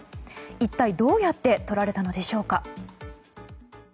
一体どうやって撮られたのでしょうか。